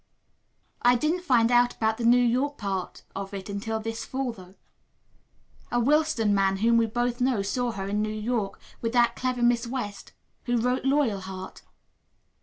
I didn't find out about the New York part of it until this fall, though. A Willston man whom we both know saw her in New York with that clever Miss West, who wrote 'Loyalheart.'"